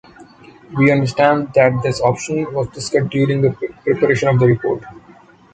We understand that this option was discussed during the preparation of the report.